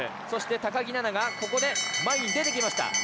そして高木菜那がここで前に出てきました。